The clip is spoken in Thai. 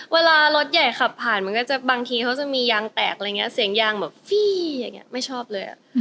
เวลารถใหญ่ขับผ่านบางทีเขาจะมียางแตกอะไรอย่างนี้เสียงยางแบบฟี้ไม่ชอบเลย